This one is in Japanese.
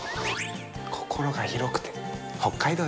心が広くて北海道ですね。